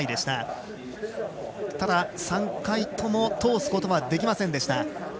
ただ、３回とも通すことはできませんでした。